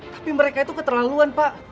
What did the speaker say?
tapi mereka itu keterlaluan pak